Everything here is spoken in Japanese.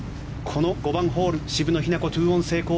この５番ホール渋野日向子、２オン成功。